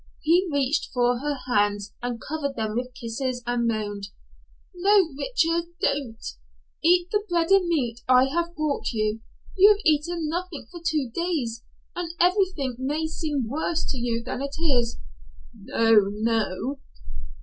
He reached for her hands and covered them with kisses and moaned. "No, Richard, don't. Eat the bread and meat I have brought you. You've eaten nothing for two days, and everything may seem worse to you than it is." "No, no!"